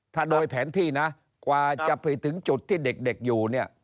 ถ้าโดยแผนที่นะกว่าจะไปถึงจุดที่เด็กอยู่เนี่ย